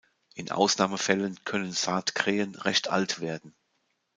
In Ausnahmefällen können Saatkrähen recht alt werden.